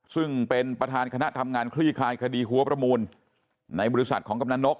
ซึ่งเป็นประธานคณะทำงานคลี่คลายคดีหัวประมูลในบริษัทของกำลังนก